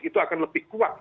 itu akan lebih kuat